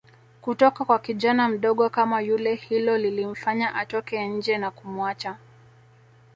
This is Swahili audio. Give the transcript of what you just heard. kutoka kwa kijana mdogo kama yule hilo lilimfanya atoke nje na kumuacha